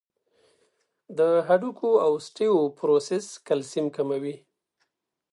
د هډوکو اوسټيوپوروسس کلسیم کموي.